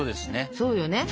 そうよね。